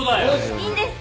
いいんですか？